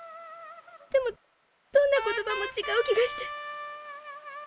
でもどんな言葉もちがう気がして。